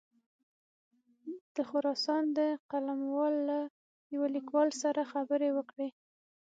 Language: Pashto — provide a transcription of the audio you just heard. د خراسان د قلموال له یوه لیکوال سره خبرې وکړې.